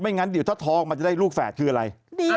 งั้นเดี๋ยวถ้าทองมันจะได้ลูกแฝดคืออะไร